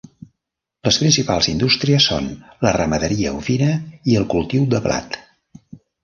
Les principals indústries són la ramaderia ovina i el cultiu de blat.